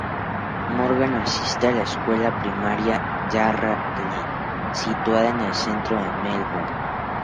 Morgan asiste a la escuela primaria Yarra Glen, situada al centro de Melbourne.